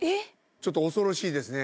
ちょっと恐ろしいですね。